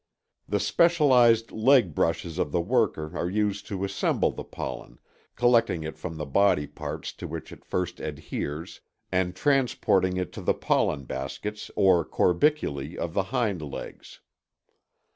The specialized leg brushes of the worker are used to assemble the pollen, collecting it from the body parts to which it first adheres and transporting it to the pollen baskets or corbiculæ of the hind legs.